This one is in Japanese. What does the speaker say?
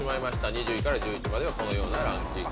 ２０位から１１位まではこのようなランキング。